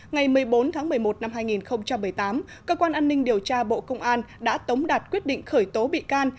ngày một mươi bốn tháng một mươi một năm hai nghìn một mươi tám cơ quan an ninh điều tra bộ công an đã tống đạt quyết định khởi tố bị can